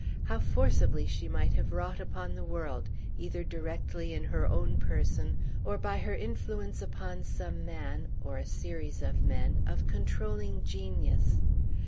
How forcibly she might have wrought upon the world, either directly in her own person, or by her influence upon some man, or a series of men, of controlling genius!